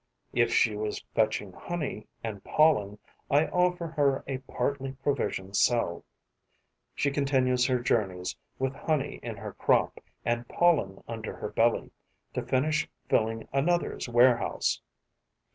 If she was fetching honey and pollen, I offer her a partly provisioned cell. She continues her journeys, with honey in her crop and pollen under her belly, to finish filling another's warehouse.